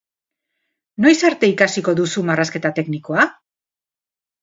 Noiz arte ikasiko duzu marrazketa teknikoa?